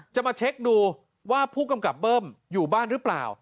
จะมาเช็คดูว่าผู้กำกับเบิ้มอยู่บ้านหรือเปล่า